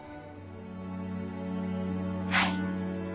はい。